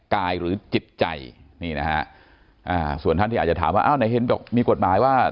หรือจิตใจนี่นะฮะอ่าส่วนท่านที่อาจจะถามว่าอ้าวไหนเห็นบอกมีกฎหมายว่า